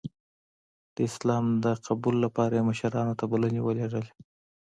د اسلام د قبول لپاره یې مشرانو ته بلنې واستولې.